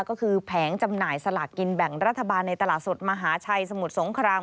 ก็คือแผงจำหน่ายสลากกินแบ่งรัฐบาลในตลาดสดมหาชัยสมุทรสงคราม